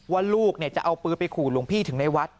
ว่าลูกจะเอาปืนไปขู่หลวงพี่ถึงในวัด